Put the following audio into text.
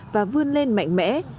và vươn lên mạnh mẽ